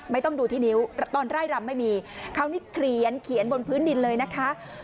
ไม่ต้องดูที่นิ้วตอนไร่รำไม่มีเขานี่เขียนบนพื้นดินเลยนะคะ